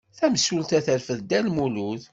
Tamsulta terfed Dda Lmulud.